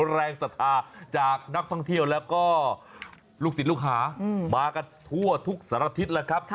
แรงสถาจากนักท่องเที่ยวและก็ทุกสินลูกหามากันทั่วทุกสันติศนะครับ